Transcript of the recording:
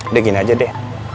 udah gini aja deh